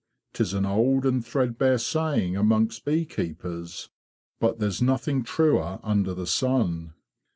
'Tis an old and threadbare saying amongst bee keepers, but there's nothing truer under the sun.